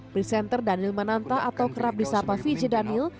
presenter daniel mananta atau kerap disapa viji daniel